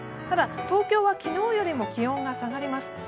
ただ東京は昨日よりも気温が下がります。